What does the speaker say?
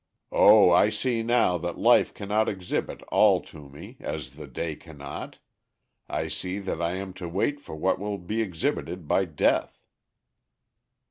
O, I see now that life cannot exhibit all to me, as the day cannot, I see that I am to wait for what will be exhibited by death."